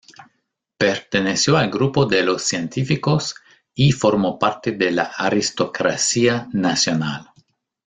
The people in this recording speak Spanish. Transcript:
Perteneció al grupo de Los Científicos y formó parte de la aristocracia nacional.